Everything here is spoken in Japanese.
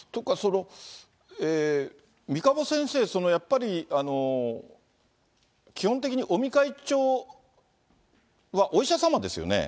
三鴨先生、やっぱり基本的に尾身会長はお医者様ですよね。